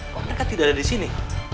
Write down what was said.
kok mereka tidak ada di sini